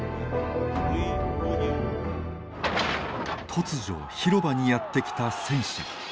突如広場にやって来た戦車。